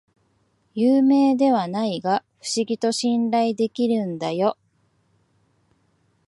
有名ではないが不思議と信頼できるんだよ